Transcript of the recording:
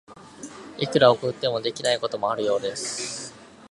いくら送っても、できないこともあるようです。